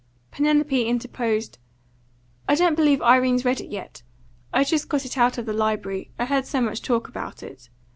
Penelope interposed. "I don't believe Irene's read it yet. I've just got it out of the library; I heard so much talk about it.